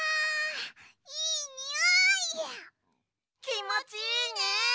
きもちいいね！